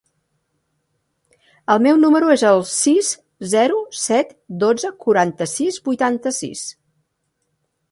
El meu número es el sis, zero, set, dotze, quaranta-sis, vuitanta-sis.